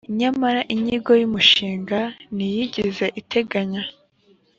nyamara inyigo y’ umushinga ntiyigeze iteganya